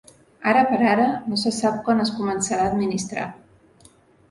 Ara per ara, no se sap quan es començarà a administrar.